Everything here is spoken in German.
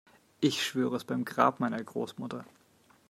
Ich schwöre es beim Grab meiner Großmutter.